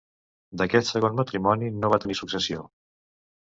D'aquest segon matrimoni no va tenir successió.